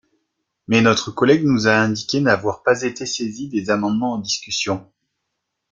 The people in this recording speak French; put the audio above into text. Mais notre collègue nous a indiqué n’avoir pas été saisi des amendements en discussion.